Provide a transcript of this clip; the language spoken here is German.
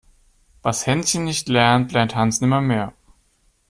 Was Hänschen nicht lernt, lernt Hans nimmer mehr.